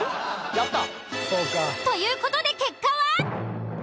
やった。という事で結果は。